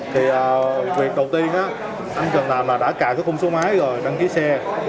thì việc đầu tiên anh cần làm là đã cài cái khung số máy rồi đăng ký xe